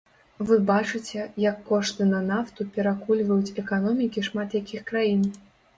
Вы бачыце, як кошты на нафту перакульваюць эканомікі шмат якіх краін.